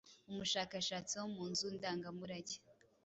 umushakashatsi wo mu nzu ndangamurage